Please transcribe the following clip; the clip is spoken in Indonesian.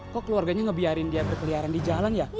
kok keluarganya ngebiarin dia berkeliaran di jalan ya